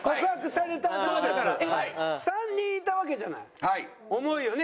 ３人いたわけじゃない思いをね